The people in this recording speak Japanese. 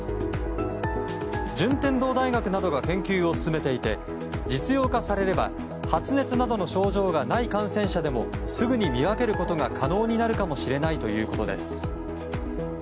順天堂大学などが研究を進めていて実用化されれば発熱などの症状がない感染者でもすぐに見分けることが可能になるかもしれないということです。